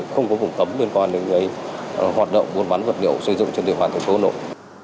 không có vùng cấm liên quan đến những hoạt động vốn bắn vật liệu xây dựng trên tiền bản tp hà nội